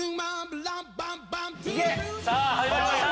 さぁ始まりました。